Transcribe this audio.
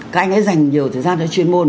các anh ấy dành nhiều thời gian cho chuyên môn